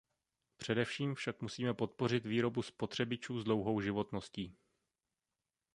Především však musíme podpořit výrobu spotřebičů s dlouhou životností.